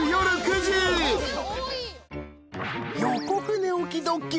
［予告寝起きドッキリ！］